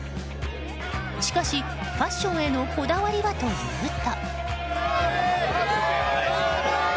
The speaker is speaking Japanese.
しかし、ファッションへのこだわりはというと？